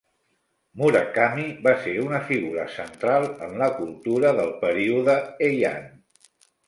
Murakami va ser una figura central en la cultura del període Heian.